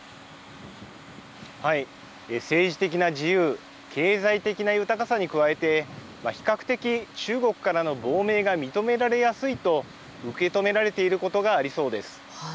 政治的な自由、経済的な豊かさに加えて、比較的中国からの亡命が認められやすいと受け止められていることがありそうです。